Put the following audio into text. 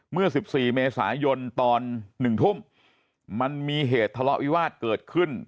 เมื่อ๑๔เมษายนตอน๑ทุ่มมันมีเหตุทะเลาะวิวาสเกิดขึ้น